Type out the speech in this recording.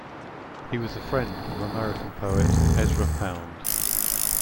He was a friend of American poet Ezra Pound.